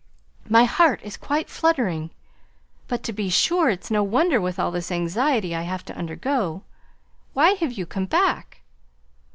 My heart is quite fluttering; but, to be sure, it's no wonder with all this anxiety I have to undergo. Why have you come back?"